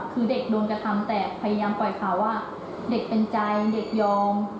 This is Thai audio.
คือเด็กโดนกระทำแต่พยายามปล่อยข่าวว่าเด็กเป็นใจเด็กยอม